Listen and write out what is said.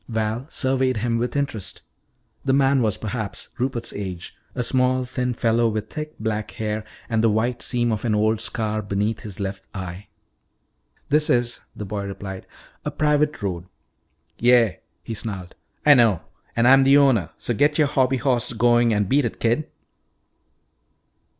Val surveyed him with interest. The man was, perhaps, Rupert's age, a small, thin fellow with thick black hair and the white seam of an old scar beneath his left eye. "This is," the boy replied, "a private road." "Yeah," he snarled, "I know. And I'm the owner. So get your hobby horse going and beat it, kid."